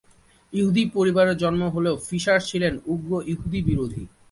ইহুদী পরিবারে জন্ম হলেও ফিশার ছিলেন উগ্র ইহুদী-বিরোধী।